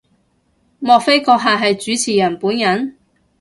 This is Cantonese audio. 莫非閣下係主持人本人？